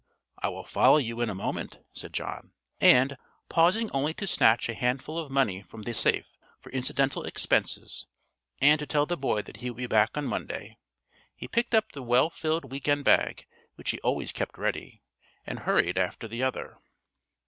"I will follow you in a moment," said John, and, pausing only to snatch a handful of money from the safe for incidental expenses and to tell the boy that he would be back on Monday, he picked up the well filled week end bag which he always kept ready, and hurried after the other.